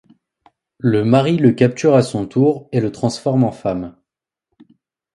Le mari le capture à son tour et le transforme en femme.